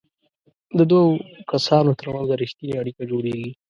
د دوو کسانو ترمنځ به ریښتینې اړیکه جوړیږي.